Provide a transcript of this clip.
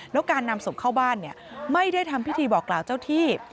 แล้วการนำศพเข้าบ้านไม่ได้ทำพิธีบอกกล่าวเจ้าที่